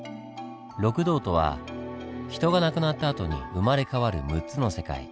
六道とは人が亡くなったあとに生まれ変わる６つの世界。